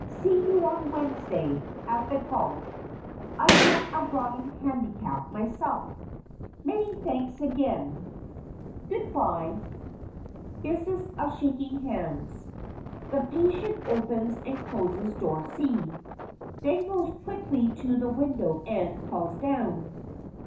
See you on Wednesday at the golf I've got a rotten handicap myself. Many thanks, again. Good bye. 218 STORIES WITHOUT TEARS (Business of shaking hands. The PATIENT opens and closes door C. Then goes quickly to the window and calls down.